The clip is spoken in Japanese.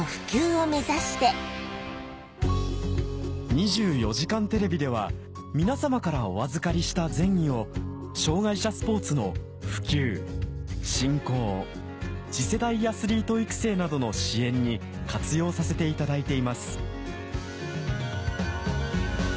『２４時間テレビ』では皆様からお預かりした善意を障がい者スポーツの普及振興次世代アスリート育成などの支援に活用させていただいています